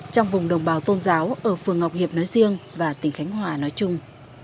trong vùng đồng bào tôn giáo ở phường ngọc hiệp nói riêng và tỉnh khánh hòa nói chung